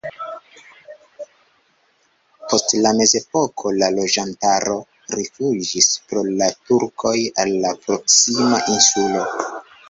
Post la mezepoko la loĝantaro rifuĝis pro la turkoj al la proksima insulo.